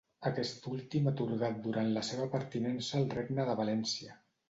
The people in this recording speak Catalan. Aquest últim atorgat durant la seva pertinença al Regne de València.